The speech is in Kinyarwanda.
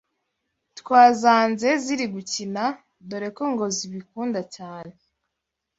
twazanze ziri gukina dore ko ngo zibikunda cyane